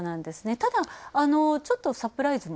ただ、ちょっとサプライズも。